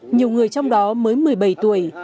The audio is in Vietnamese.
nhiều người trong đó mới một mươi bảy tuổi